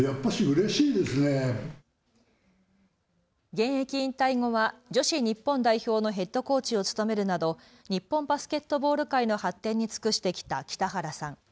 現役引退後は女子日本代表のヘッドコーチを務めるなど日本バスケットボール界の発展に尽くしてきた北原さん。